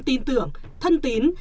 tin tưởng thân tín